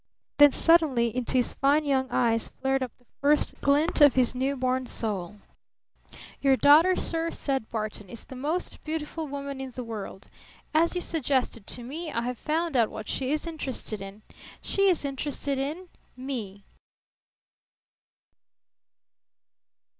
Then suddenly into his fine young eyes flared up the first glint of his new born soul. "Your daughter, sir," said Barton, "is the most beautiful woman in the world! As you suggested to me, I have found out what she is interested in She is interested in ME!"